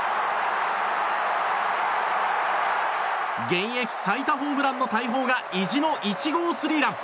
現役最多ホームランの大砲が意地の１号スリーラン。